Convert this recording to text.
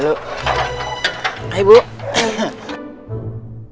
silahkan adinda duduk disini dulu